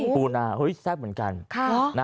ปูนาเฮ้ยแซ่บเหมือนกัน